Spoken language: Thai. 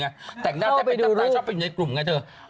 เข้าไปดูรูปแต่งหน้าจะเป็นตังค์ตายชอบไปอยู่ในกลุ่มไงเถอะ